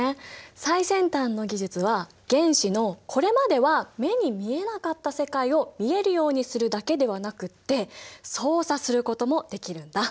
最先端の技術は原子のこれまでは目に見えなかった世界を見えるようにするだけではなくって操作することもできるんだ。